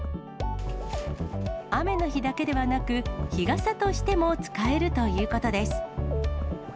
雨の日だけではなく、日傘としても使えるということです。